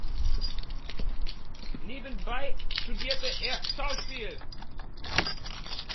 Nebenbei studierte er Schauspiel.